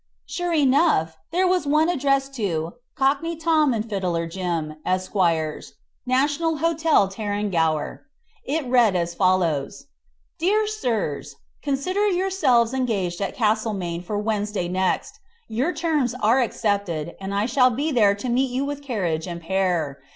Sure enough there was one addressed to "Cockney Tom and Fiddler Jim, esqrs., National Hotel Tarrangower." It read as follows: "Dear Sirs Consider yourselves engaged at Castlemaine for Wednesday next. Your terms are accepted, and I shall be there to meet you with carriage and pair.